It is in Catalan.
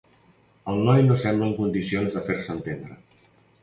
El noi no sembla en condicions de fer-se entendre.